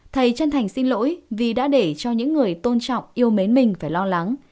thầy chân thành xin lỗi vì đã để cho những người tôn trọng yêu mến mình phải lo lắng